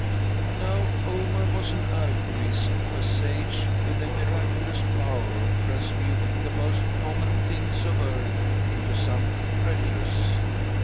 "'Now Omar was an alchemist, a sage with the miraculous power of transmuting the most common things of earth into something precious.